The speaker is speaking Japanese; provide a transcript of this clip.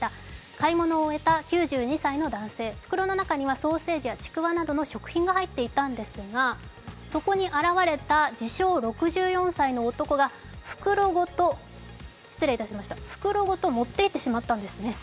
買い物を終えた９２歳の男性袋の中にはソーセージやちくわなどの食品が入っていたんですがそこに現れた自称６４歳の男が袋ごと持っていってしまったんですね。